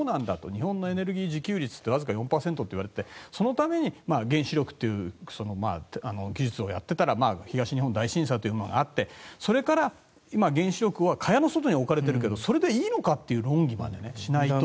日本のエネルギー自給率ってわずか４％って言われていてそのために原子力という技術をやっていたら東日本大震災というものがあってそれから原子力は今、蚊帳の外に置かれているけどそれでいいのかという論議までしないと。